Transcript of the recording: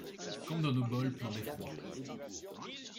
Comme dans nos bols pleins d'effroi